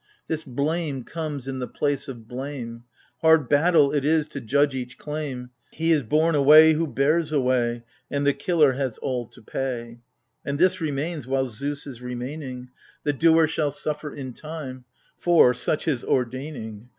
This blame comes in the place of blame : Hard battle it is to judge each claim. " He is borne away who bears away : And the killer has all to pay." And this remains while Zeus is remaining, "The doer shall suffer in time" — for, such his ordaining.